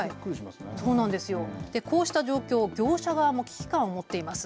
こうした状況、業者側も危機感を持っています。